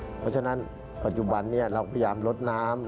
เพราะฉะนั้นปัจจุบันนี้เราพยายามลดน้ำ